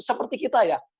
seperti kita ya